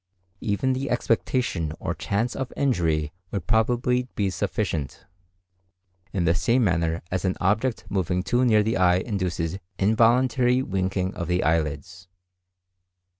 Even the expectation or chance of injury would probably be sufficient, in the same manner as an object moving too near the eye induces involuntary winking of the eyelids.